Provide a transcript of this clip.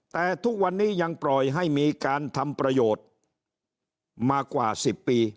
แต่ทุกวันนี้ยังปล่อยให้มีการทำประโยชน์มากว่า๑๐ปี